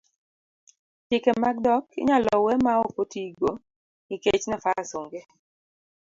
chike mag dhok inyalo we ma ok otigo nikech nafas ong'e